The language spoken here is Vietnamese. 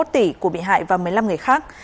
hai mươi một tỷ của bị hại và một mươi năm người khác